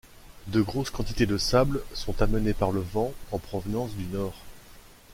De grosses quantités de sables sont amenées par le vent en provenance du nord.